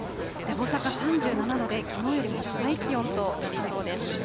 大阪３７度で、きのうよりも高い気温となりそうです。